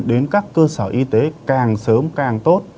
đến các cơ sở y tế càng sớm càng tốt